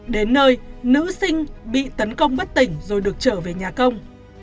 đến nơi nữ sinh bị tấn công bất tỉnh rồi được trở về nhà công